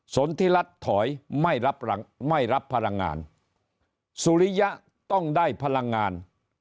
สนทิรัฐถอยไม่รับหลังไม่รับพลังงานสุริยะต้องได้พลังงาน